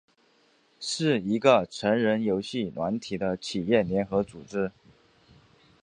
是一个成人游戏软体的企业联合组织。